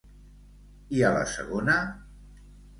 I a la segona?